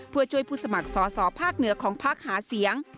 เพื่อช่วยผู้สมัครสอสอภาคเหนือของพักหาเสียง